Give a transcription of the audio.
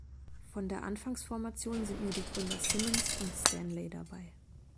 Von der Anfangsformation sind nur die Gründer Simmons und Stanley dabei.